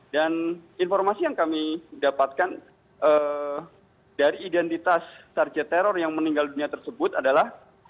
dan informasi yang kami dapatkan dari identitas target teror yang meninggal dunia tersebut adalah